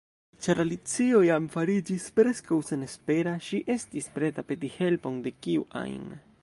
Ĉar Alicio jam fariĝis preskaŭ senespera, ŝi estis preta peti helpon de kiu ajn.